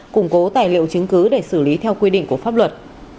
củng cố tài liệu chứng cứ để xử lý theo quy định của pháp luật